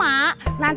mau bantuin saya